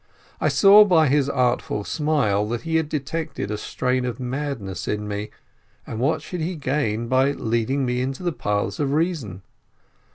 I saw by his artful smile that he had detected a strain of madness in me, and what should he gain by leading me into the paths of reason?